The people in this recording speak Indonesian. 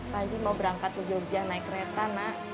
panji mau berangkat ke jogja naik kereta nak